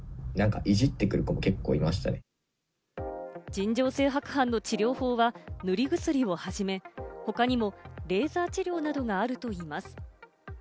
尋常性白斑の治療法は塗り薬をはじめ、他にもレーザー治療などがあるといいます。